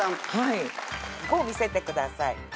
５見せてください。